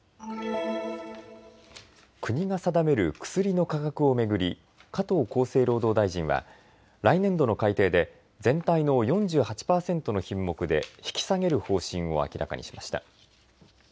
国が定める薬の価格を巡り加藤厚生労働大臣は来年度の改定で全体の４８％の品目で引き下げる方針を明らかにしました。